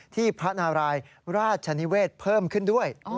ที่พระนารายย์ราชณิเวทย์เพิ่มขึ้นด้วย